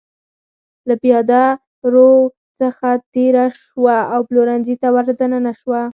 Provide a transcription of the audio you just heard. له پېاده رو څخه تېره شوه او پلورنځي ته ور دننه شوه.